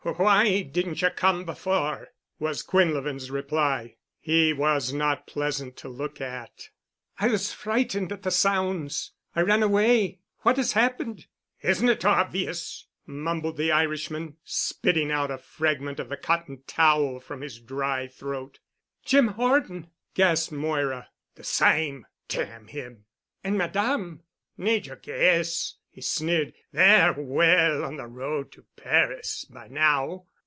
"W why didn't you—come before?" was Quinlevin's reply. He was not pleasant to look at. "I was frightened at the sounds. I ran away. What has happened?" "Isn't it obvious?" mumbled the Irishman, spitting out a fragment of the cotton towel from his dry throat. "Jim Horton!" gasped Moira. "The same—damn him." "And Madame?" "Need you guess?" he sneered. "They're well on the road to Paris by now."